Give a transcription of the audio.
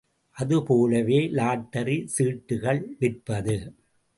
அது போலவே லாட்டரி சீட்டுகள் விற்பது.